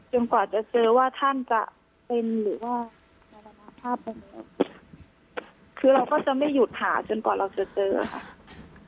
จนกว่าจะเจอว่าท่านจะเป็นหรือว่าคือเราก็จะไม่หยุดหาจนกว่าเราจะเจอค่ะ